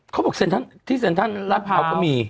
เขาบอกที่เซ็นทรันที่เซ็นทรันราเผาร์ก็มี